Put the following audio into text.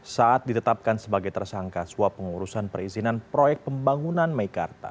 saat ditetapkan sebagai tersangka suap pengurusan perizinan proyek pembangunan meikarta